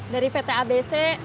dari pt abc